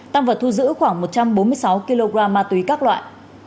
tăng vật thu giữ khoảng một trăm bốn mươi sáu kg ma túy các loại